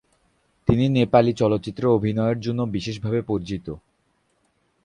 তিনি নেপালি চলচ্চিত্রে অভিনয়ের জন্য বিশেষভাবে পরিচিত।